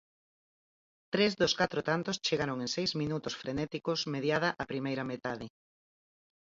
Tres dos catro tantos chegaron en seis minutos frenéticos mediada a primeira metade.